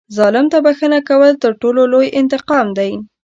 ظالم ته بښنه کول تر ټولو لوی انتقام دی.